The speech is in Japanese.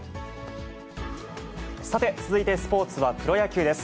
さて、続いてスポーツはプロ野球です。